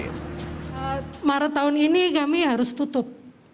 maret tahun ini kami harus tutup